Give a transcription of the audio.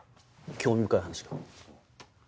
興味深い話が。